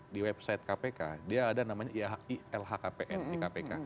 di website kpk dia ada namanya lhkpn di kpk